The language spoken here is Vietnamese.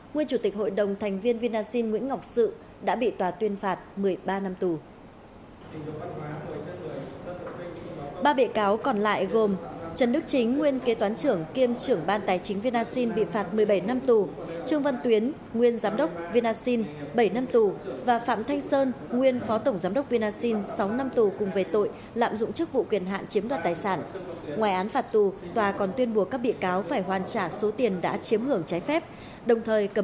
nguyên chủ tịch hội đồng thành viên vinasin nguyễn ngọc sự đã bị tòa tuyên phạt một mươi ba năm tù